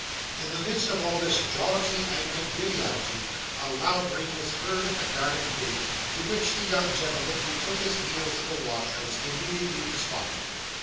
In the midst of all this jollity and conviviality, a loud ring was heard at the garden gate, to which the young gentleman who took his meals in the wash house, immediately responded.